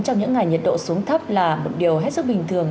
trong những ngày nhiệt độ xuống thấp là một điều hết sức bình thường